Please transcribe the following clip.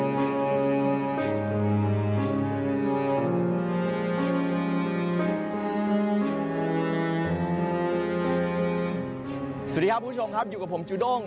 สวัสดีครับคุณผู้ชมครับอยู่กับผมจูด้ง